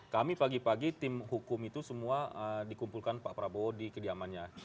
kami pagi pagi tim hukum itu semua dikumpulkan pak prabowo di kediamannya